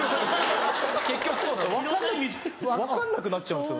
・結局そうなの・分かんなくなっちゃうんですよ。